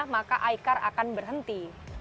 maka icar akan berhenti